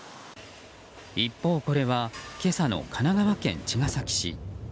一方、これは今朝の神奈川県茅ヶ崎市。